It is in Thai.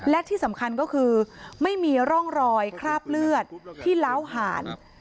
และที่สำคัญก็คือไม่มีร่องรอยคราบเลือดที่ล้าวหาร